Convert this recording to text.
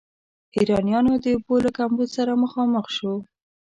ایرانیانو د اوبو له کمبود سره مخامخ شو.